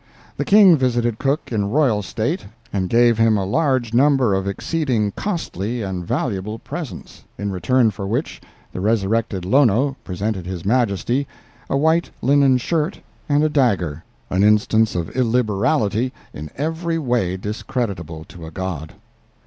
The King visited Cook in royal state, and gave him a large number of exceeding costly and valuable presents—in return for which the resurrected Lono presented His Majesty a white linen shirt and a dagger—an instance of illiberality in every way discreditable to a god.